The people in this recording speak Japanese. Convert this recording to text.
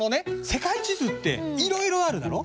世界地図っていろいろあるだろ？